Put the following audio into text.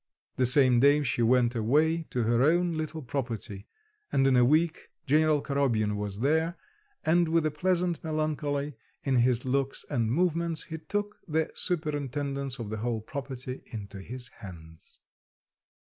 The same day she went away to her own little property, and in a week General Korobyin was there, and with a pleasant melancholy in his looks and movements he took the superintendence of the whole property into his hands.